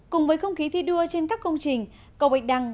cùng với không khí thi đua trên các công trình cầu bạch đăng